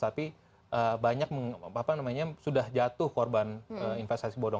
tapi banyak apa namanya sudah jatuh korban investasi bodong